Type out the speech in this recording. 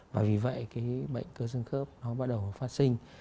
và vì vậy cái bệnh cơ xương khớp nó bắt đầu phát sinh